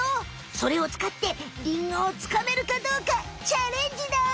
それをつかってリンゴをつかめるかどうかチャレンジだい！